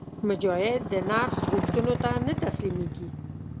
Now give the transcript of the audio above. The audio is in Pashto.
مجاهد د نفس غوښتنو ته نه تسلیمیږي.